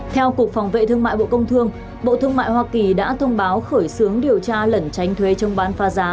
theo cục phòng vệ thương mại bộ công thương bộ thương mại hoa kỳ đã thông báo khởi xướng điều tra lẩn tranh thuế trong bán pha giá